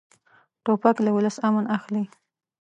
توپک له ولس امن اخلي.